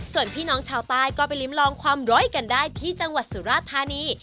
ส่วนพี่น้องชาวใต้ก็ไปลิ้มลองความร้อยกันได้ที่จังหวัดสุราธานี